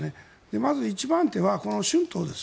まず１番手はこの春闘です。